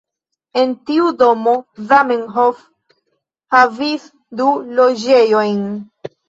En tiu domo Zamenhof havis du loĝejojn.